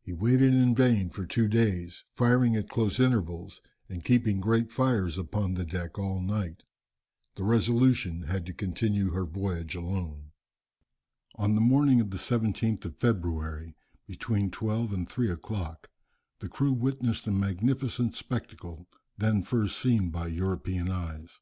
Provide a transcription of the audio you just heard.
He waited in vain for two days, firing at close intervals and keeping great fires upon the deck all night. The Resolution had to continue her voyage alone. On the morning of the 17th of February, between twelve and three o'clock, the crew witnessed a magnificent spectacle, then first seen by European eyes.